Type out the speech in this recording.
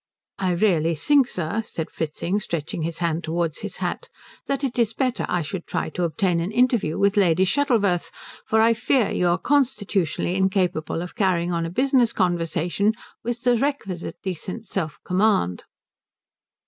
"I really think, sir," said Fritzing stretching his hand towards his hat, "that it is better I should try to obtain an interview with Lady Shuttleworth, for I fear you are constitutionally incapable of carrying on a business conversation with the requisite decent self command."